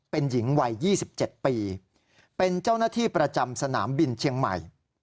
เป็นหญิงวัย๒๗ปีเป็นเจ้าหน้าที่ประจำสนามบินเชียงใหม่